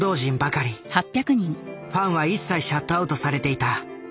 ファンは一切シャットアウトされていた。